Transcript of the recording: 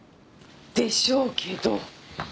でしょうけど。